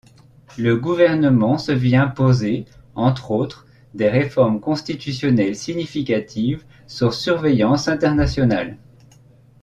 Le gouvernement se vit imposer, entre autres, des réformes constitutionnelles significatives sous surveillance internationale.